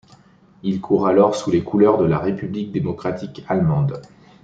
Il court alors sous les couleurs de la République démocratique allemande.